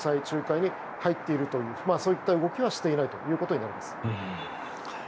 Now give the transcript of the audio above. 仲介に入っているというそういった動きはしていないということになります。